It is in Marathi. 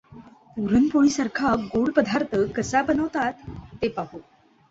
पुरण पोळी सारखा गोड पदार्थ कसा बनवतात ते पाहू